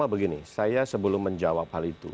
begini saya sebelum menjawab hal itu